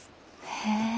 へえ。